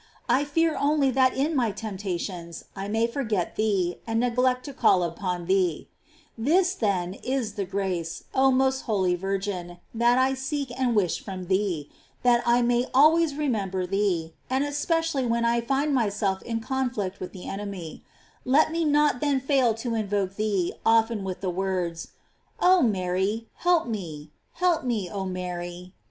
I fear only that in my temptations I may forget thee, and neglect to call upon thee. This, then, is the grace, oh most holy Virgin, that I seek and wish from thee, that I may always remember * Father Auriemma, Affetti Scambiev. Tom. i. e, 7. GLORIES OF MARY. 167 thee, and especially when I find myself in conflict with the enemy; let me not then fail to invoke thee often with the words: "Oh Mary, help me, help me, oh Mary."